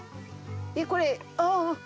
えっこれああああ。